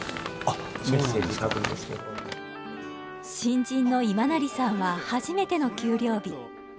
新人の今成さんは初めての給料日。